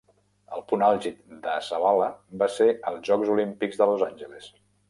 El punt àlgid de Zabala van ser els Jocs Olímpics de Los Angeles.